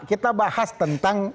kita bahas tentang